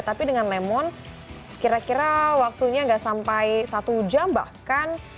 tapi dengan lemon kira kira waktunya nggak sampai satu jam bahkan